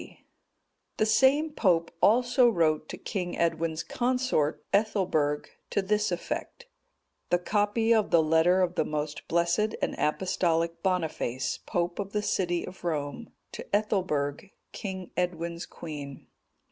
D.] The same pope also wrote to King Edwin's consort, Ethelberg, to this effect: THE COPY OF THE LETTER OF THE MOST BLESSED AND APOSTOLIC BONIFACE, POPE OF THE CITY OF ROME, TO ETHELBERG, KING EDWIN'S QUEEN.